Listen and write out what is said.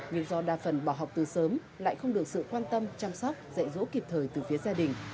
nhưng do đa phần bỏ học từ sớm lại không được sự quan tâm chăm sóc dạy dỗ kịp thời từ phía gia đình